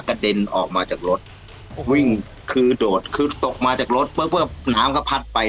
เด็นออกมาจากรถวิ่งคือโดดคือตกมาจากรถปุ๊บน้ำก็พัดไป